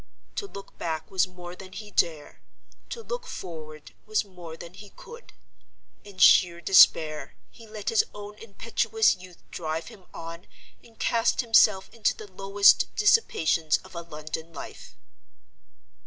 To look back was more than he dare. To look forward was more than he could. In sheer despair, he let his own impetuous youth drive him on; and cast himself into the lowest dissipations of a London life.